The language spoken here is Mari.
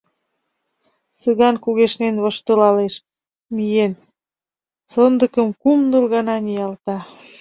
— Цыган кугешнен воштылалеш, миен, сондыкым кум-ныл гана ниялта.